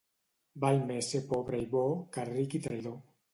Val més ser pobre i bo, que ric i traïdor.